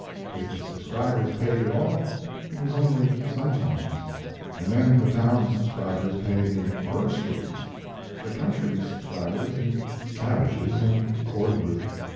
If the subscribers paid at all, it was only sometimes and then the town subscribers paid in groceries, the country subscribers in cabbages and cordwood.